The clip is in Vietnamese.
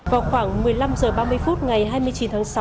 vào khoảng một mươi năm h ba mươi phút ngày hai mươi chín tháng sáu